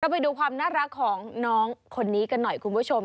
ไปดูความน่ารักของน้องคนนี้กันหน่อยคุณผู้ชม